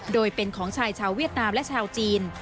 โดยเป็นของชายชาวเวียดนามและชาวจีน